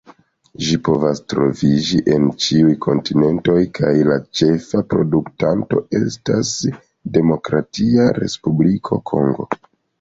Ĝi povas troviĝi en ĉiuj kontinentoj, kaj la ĉefa produktanto estas Demokratia Respubliko Kongo.